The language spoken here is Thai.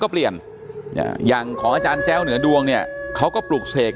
ก็เปลี่ยนอย่างของอาจารย์แจ้วเหนือดวงเนี่ยเขาก็ปลุกเสก